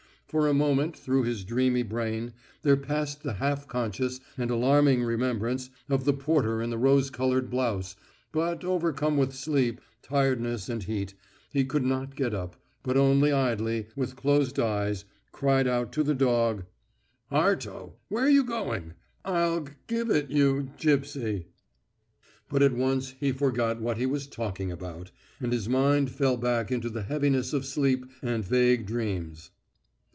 For a moment through his dreamy brain there passed the half conscious and alarming remembrance of the porter in the rose coloured blouse, but overcome with sleep, tiredness and heat, he could not get up, but only idly, with closed eyes, cried out to the dog: "Arto ... where're you going? I'll g give it you, gipsy!" But at once he forgot what he was talking about, and his mind fell back into the heaviness of sleep and vague dreams.